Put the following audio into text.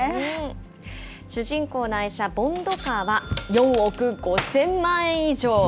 主人公の愛車、ボンドカーは、４億５０００万円以上。